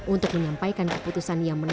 untuk menyampaikan keputusan yang menarik